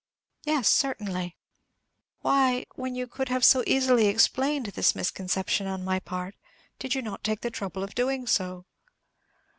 "Yes, certainly." "Why, when you could have so easily explained this misconception on my part, did you not take the trouble of doing so?"